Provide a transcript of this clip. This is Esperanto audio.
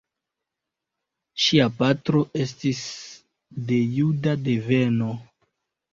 Ŝia patro estis de juda deveno.